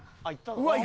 うわっ！